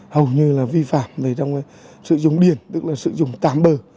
hầu như là vi phạm về trong sử dụng điện tức là sử dụng tạm bỡ